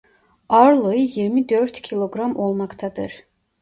Ağırlığı yirmi dört Kilogram Olmaktadır.